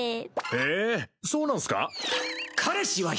ええそうなんすか？